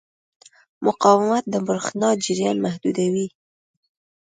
مقاومت د برېښنا جریان محدودوي.